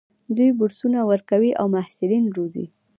دوی بورسونه ورکوي او محصلین روزي.